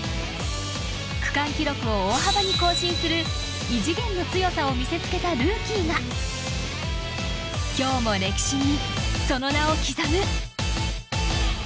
区間記録を大幅に更新する異次元の強さを見せつけたルーキーが今日も歴史にその名を刻む。